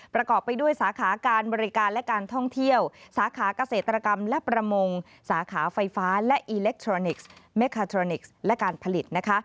ประกอบไปด้วยสาขาการบริการและการท่องเที่ยวสาขาเกษตรกรรมและประมงสาขาไฟฟ้าและอิเล็กทรอนิกส์เมคาทรอนิกส์และการผลิต